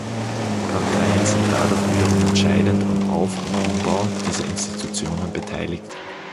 Parteien sind dadurch wiederum entscheidend am Auf- und Umbau dieser Institutionen beteiligt.